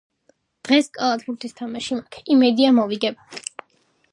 დღეს კალათბურთის თამაში მაქ, იმედია მოვიგებ.